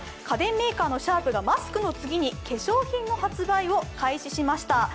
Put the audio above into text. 家電メーカーのシャープがマスクの次に化粧品を発売しました。